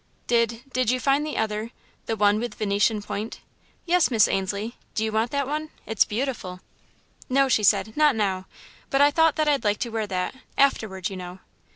"Did did you find the other the one with Venetian point?" "Yes, Miss Ainslie, do you want that one It's beautiful." "No," she said, "not now, but I thought that I'd like to wear that afterward, you know."